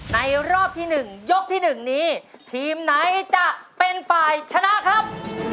รอบที่๑ยกที่๑นี้ทีมไหนจะเป็นฝ่ายชนะครับ